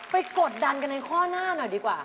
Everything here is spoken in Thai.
กดดันกันในข้อหน้าหน่อยดีกว่า